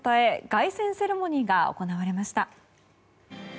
凱旋セレモニーが行われました。